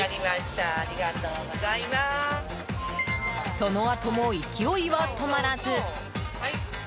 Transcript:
そのあとも勢いは止まらず。